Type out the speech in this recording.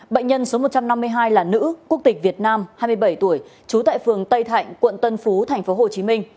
bệnh nhân số một trăm năm mươi hai là nữ quốc tịch việt nam hai mươi bảy tuổi trú tại phường tây thạnh quận tân phú tp hcm